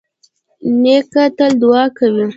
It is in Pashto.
نیکه تل دعا کوي.